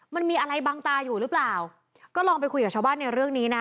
มันมีอะไรบังตาอยู่หรือเปล่าก็ลองไปคุยกับชาวบ้านในเรื่องนี้นะ